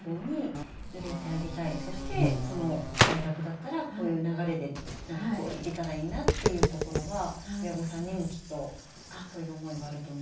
そしてその大学だったらこういう流れでいけたらいいなっていうところは親御さんにもきっとそういう思いがあると思うんですよね。